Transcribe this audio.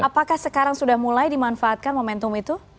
apakah sekarang sudah mulai dimanfaatkan momentum itu